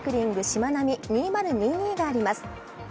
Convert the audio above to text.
しまなみ２０２２があります。